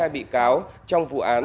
chín mươi hai bị cáo trong vụ án